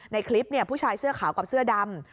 ในคลิปผู้ชายเสื้อขาวกับเสื้อดำ